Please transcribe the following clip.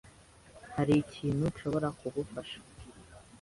Hari ikintu nshobora kugufasha?